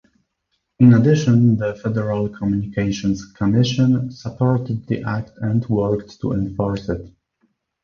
In addition, the Federal Communications Commission supported the act and worked to enforce it.